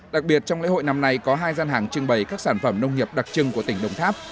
đặc biệt trong lễ hội năm nay có hai gian hàng trưng bày các sản phẩm nông nghiệp đặc trưng của tỉnh đồng tháp